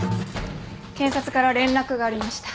検察から連絡がありました。